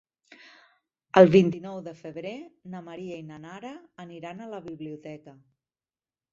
El vint-i-nou de febrer na Maria i na Nara aniran a la biblioteca.